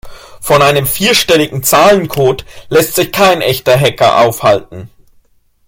Von einem vierstelligen Zahlencode lässt sich kein echter Hacker aufhalten.